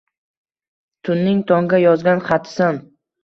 tunning tongga yozgan xatisan.